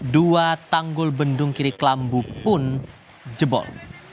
dua tanggul bendung kiri kelambu pun jebol